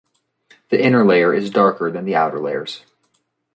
The inner layer is darker than the outer layers.